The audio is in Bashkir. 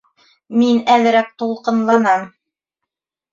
Мин әҙерәк тулҡынланам